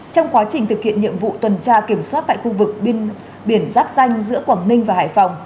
trong quá trình thực hiện nhiệm vụ tuần tra kiểm soát tại khu vực biên giáp danh giữa quảng ninh và hải phòng